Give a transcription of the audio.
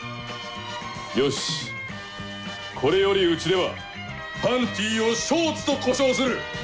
よしこれよりうちでは「パンティ」を「ショーツ」と呼称する。